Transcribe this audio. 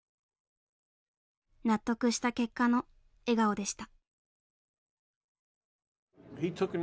納得した結果の笑顔でした。